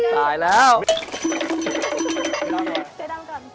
ตายแล้ว